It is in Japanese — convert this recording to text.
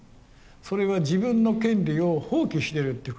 それは自分の権利を放棄してるっていうことです。